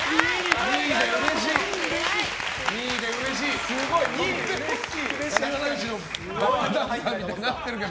２位でうれしいと。